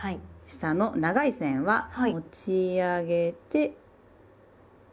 下の長い線は持ち上げて下がります。